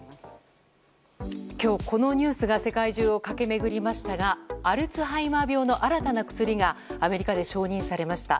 今日、このニュースが世界中を駆け巡りましたがアルツハイマー病の新たな薬がアメリカで承認されました。